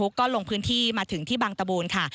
ก็ลงพื้นที่มาถึงที่บางตะบูนค่ะ